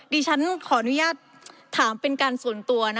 ดิฉันขออนุญาตถามเป็นการส่วนตัว